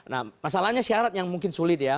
nah masalahnya syarat yang mungkin sulit ya